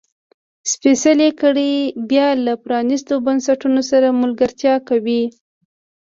سپېڅلې کړۍ بیا له پرانیستو بنسټونو سره ملګرتیا کوي.